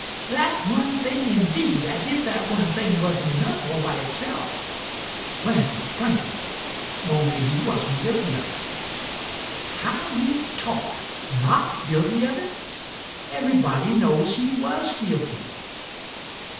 "That 'one thing,' indeed! As if that 'one thing' wasn't enough, all by itself." "Plenty. Plenty. Only he wasn't guilty of it." "How you talk! Not guilty of it! Everybody knows he was guilty."